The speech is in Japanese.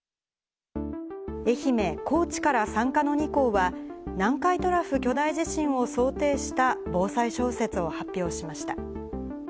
愛媛、高知から参加の２校は、南海トラフ巨大地震を想定した防災小説を発表しました。